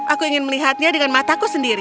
aku ingin melihatnya dengan mataku sendiri